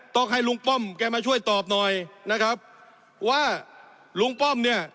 ต้องให้ลุงป้อมแกมาช่วยตอบหน่อยนะครับว่าลุงป้อมเนี่ย